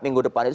minggu depan itu